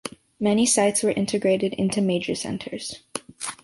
Many sites were integrated into major centers.